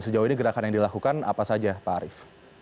sejauh ini gerakan yang dilakukan apa saja pak arief